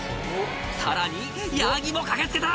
さらにヤギも駆け付けた！